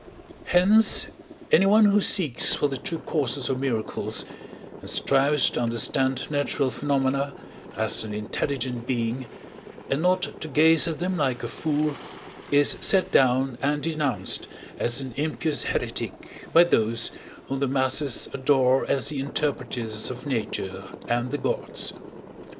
Hence anyone who seeks for the true causes of miracles, and strives to understand natural phenomena as an intelligent being, and not to gaze at them like a fool, is set down and denounced as an impious heretic by those, whom the masses adore as the interpreters of nature and the gods.